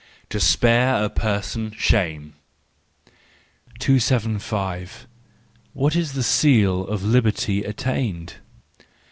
—To spare a person shame. 275. What is the Seal of Liberty Attained?